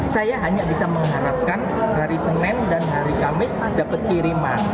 saya hanya bisa mengharapkan hari senin dan hari kamis dapat kiriman